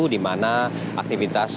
di mana aktivitas